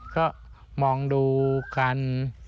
ก็มองดูกัน